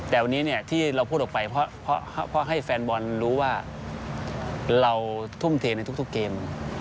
แต่วันนี้ที่เราพูดออกไปเพราะให้แฟนบอลรู้ว่าเราทุ่มเทในทุกเกม